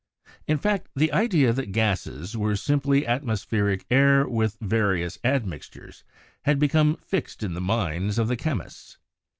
In fact, the idea that gases were simply atmos pheric air with various admixtures, had become fixed in the minds of chemists.